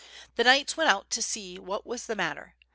The knights went out to see what was the matter.